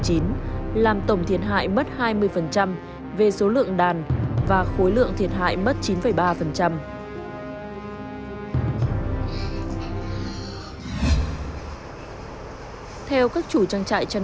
thì lợn mấy ngày hôm nay nó vẫn không giảm nó vẫn không giảm